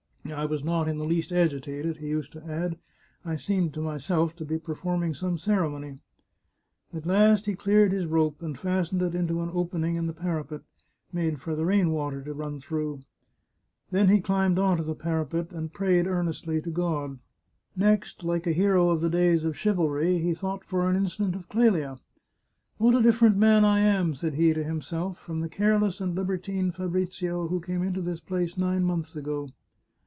" I was not in the least agi tated," he used to add ;" I seemed to myself to be perform ing some ceremony." At last he cleared his rope, and fastened it into an open ing in the parapet, made for the rain water to run through. Then he climbed on to the parapet, and prayed earnestly to God. Next, like a hero of the days of chivalry, he thought for an instant of Clelia. " What a different man I am," said he to himself, " from the careless and libertine Fabrizio who came into this place nine months ago